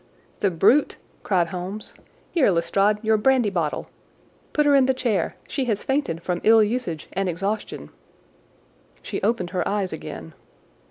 "The brute!" cried Holmes. "Here, Lestrade, your brandy bottle! Put her in the chair! She has fainted from ill usage and exhaustion." She opened her eyes again.